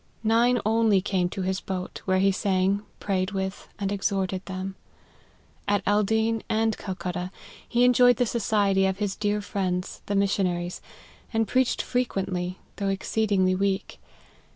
Nine only came to his boat, where he sang, pray ed with, and exhorted them. At Aldeen and Cal cutta, he enjoyed the society of his dear friends, the missionaries, and preached frequently, though exceedingly weak.